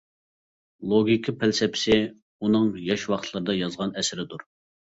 «لوگىكا پەلسەپىسى» ئۇنىڭ ياش ۋاقىتلىرىدا يازغان ئەسىرىدۇر.